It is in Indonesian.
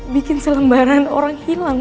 bikin selembaran orang hilang